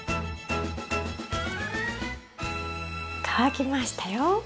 乾きましたよ。